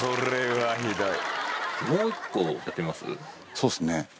そうですね。